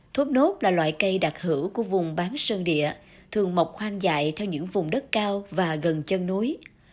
thốt nốt là loại cây đặc hữu của vùng bán sơn địa thường mọc hoang dại theo những vùng đất cao và gần chân núi